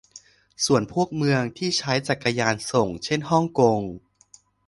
ส่วนพวกเมืองที่ใช้จักรยานส่ง เช่นฮ่องกง